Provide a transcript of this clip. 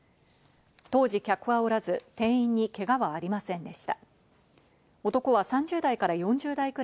当時客はおらず店員にけがはありませんでした。